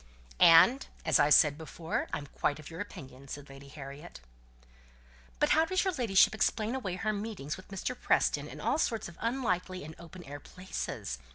"And, as I said before, I'm quite of your opinion," said Lady Harriet. "But how does your ladyship explain away her meetings with Mr. Preston in all sorts of unlikely and open air places?"